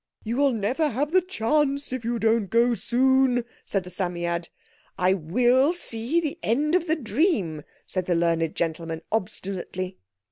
"You'll never have the chance if you don't go soon," said the Psammead. "I will see the end of the dream," said the learned gentleman obstinately.